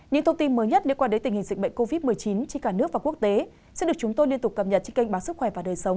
những thông tin mới nhất liên quan đến tình hình dịch bệnh covid một mươi chín trên cả nước và quốc tế sẽ được chúng tôi liên tục cập nhật trên kênh báo sức khỏe và đời sống